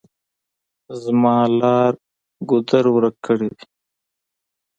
زما لار ګودر ورک کړي دي.